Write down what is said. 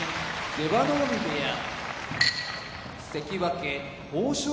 出羽海部屋関脇豊昇